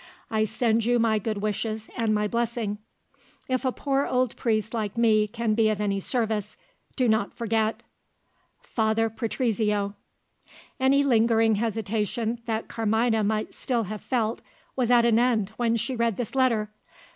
I send you my good wishes, and my blessing. If a poor old priest like me can be of any service, do not forget. "FATHER PATRIZIO." Any lingering hesitation that Carmina might still have felt, was at an end when she read this letter.